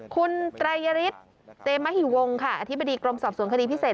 คุณไตรยฤทธิ์เตมหิวงค่ะอธิบดีกรมสอบสวนคดีพิเศษ